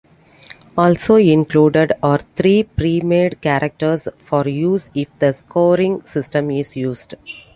Also included are three pre-made characters for use if the scoring system is used.